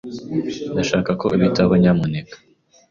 Ndashaka ko ubitaho, nyamuneka.